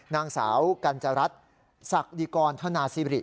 นางสาวกัญจรัฐศักดิกรธนาซิริ